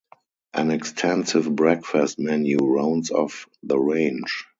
An extensive breakfast menu rounds off the range.